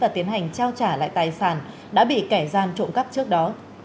để có thể trả lại tài sản đã bị kẻ gian trộm cắp trước đó